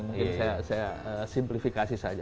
mungkin saya simplifikasi saja